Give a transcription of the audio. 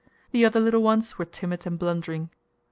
The other little ones were timid and blundering.